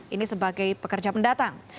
ini sebagai pekerja pendatang